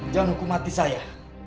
jangan hukum hati saya